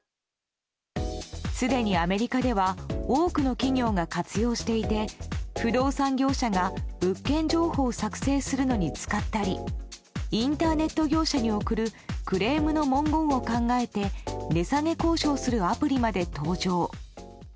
すでにアメリカでは多くの企業が活用していて不動産業者が物件情報を作成するのに使ったりインターネット業者に送るクレームの文言を考えて値下げ交渉するアプリまで登場。